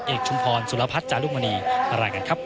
เอกชุมพรสุรพัฒน์จารุมณีมาล่ายกันครับ